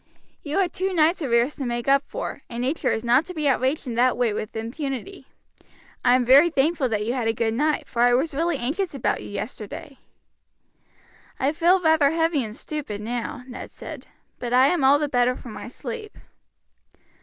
"You had two nights' arrears to make up for, and nature is not to be outraged in that way with impunity. I am very thankful that you had a good night, for I was really anxious about you yesterday." "I feel rather heavy and stupid now," Ned said, "but I am all the better for my sleep.